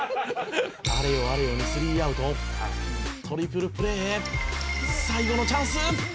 「あれよあれよで３アウト」「トリプルプレーへ最後のチャンス！」